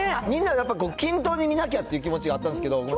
みんなやっぱ、均等に見なきゃっていう気持ちがあったんですけど。